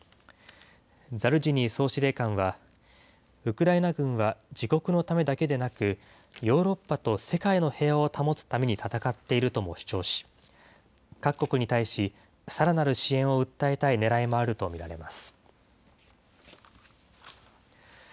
ザルジニー総司令官は、ウクライナ軍は自国のためだけでなく、ヨーロッパと世界の平和を保つために戦っているとも主張し、各国に対しさらなる支援を訴えたいねらいもあると見られます。